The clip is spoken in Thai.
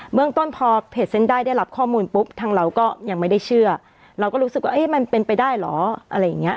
เมืองต้นพอเพจเส้นได้ได้รับข้อมูลปุ๊บทางเราก็ยังไม่ได้เชื่อเราก็รู้สึกว่าเอ๊ะมันเป็นไปได้เหรออะไรอย่างเงี้